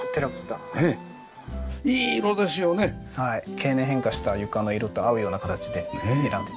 経年変化した床の色と合うような形で選んで。